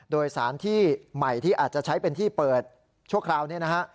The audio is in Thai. โดยสารที่ใหม่ที่อาจจะใช้เป็นที่เปิดชั่วคราวนี้นะฮะ